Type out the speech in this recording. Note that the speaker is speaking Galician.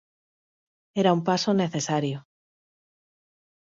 Era un paso necesario.